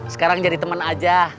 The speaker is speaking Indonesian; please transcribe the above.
sekarang jadi temen aja